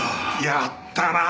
やったな！